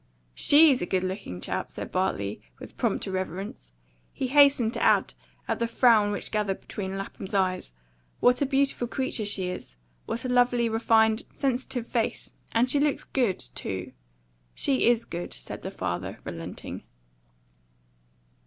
"SHE'S a good looking chap," said Bartley, with prompt irreverence. He hastened to add, at the frown which gathered between Lapham's eyes, "What a beautiful creature she is! What a lovely, refined, sensitive face! And she looks GOOD, too." "She is good," said the father, relenting.